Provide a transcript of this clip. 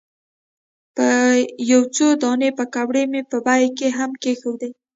یو څو دانې پیکورې مې په بیک کې هم کېښودې.